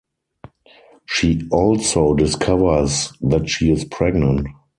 She also discovers that she is pregnant.